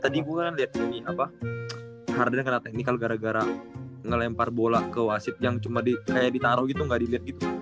tadi gue kan liat ini apa harden kena technical gara gara ngelempar bola ke wasid yang cuma kayak ditaro gitu gak diliat gitu